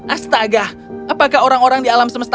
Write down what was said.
astagah apakah orang orang di alam semesta